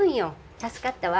助かったわ。